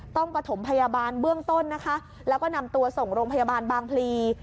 ประถมพยาบาลเบื้องต้นนะคะแล้วก็นำตัวส่งโรงพยาบาลบางพลี